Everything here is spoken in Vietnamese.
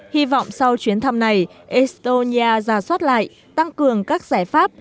hy vọng sau chuyến thăm này estonia ra soát lại tăng cường các giải pháp